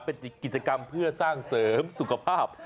เป็นกิจกรรมเพื่อสร้างเสริมสุขภาพ